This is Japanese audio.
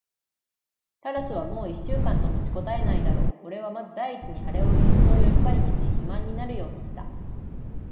タラスはもう一週間と持ちこたえないだろう。おれはまず第一にあれをいっそうよくばりにし、肥満になるようにした。